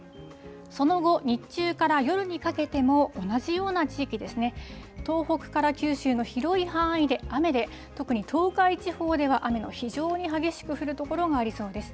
その後、日中から夜にかけても、同じような地域ですね、東北から九州の広い範囲で雨で、特に東海地方では雨の非常に激しく降る所がありそうです。